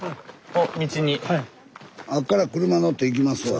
あっから車乗って行きますわ。